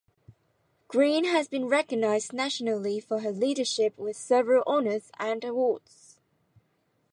Green has been recognized nationally for her leadership in with several honours and awards.